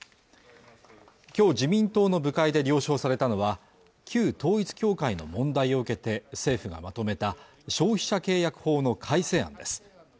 今日自民党の部会で了承されたのは旧統一教会の問題を受けて政府がまとめた消費者契約法の改正案です